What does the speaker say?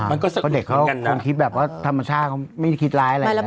อ่าฮะพอเด็กเขาคงคิดแบบว่าธรรมชาติเขาไม่คิดร้ายอะไรแหละอืม